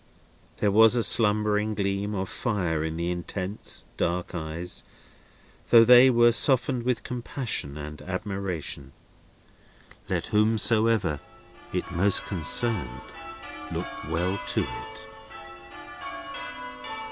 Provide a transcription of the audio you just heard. There was a slumbering gleam of fire in the intense dark eyes, though they were then softened with compassion and admiration. Let whomsoever it most concerned look well to it!